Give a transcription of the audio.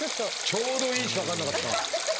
「ちょうどいい」しか分かんなかった！